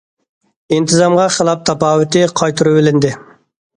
ئىنتىزامغا خىلاپ تاپاۋىتى قايتۇرۇۋېلىندى.